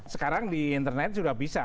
sekarang di internet sudah bisa